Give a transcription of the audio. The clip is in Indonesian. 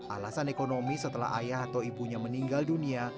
alasan ekonomi setelah ayah atau ibunya meninggal dunia